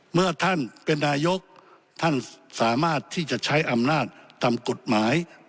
เมื่อท่านเป็นนายกท่านสามารถที่จะใช้อำนาจตามกฎหมาย